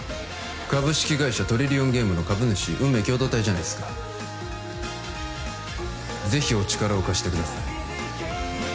株式会社トリリオンゲームの株主運命共同体じゃないっすかぜひお力を貸してください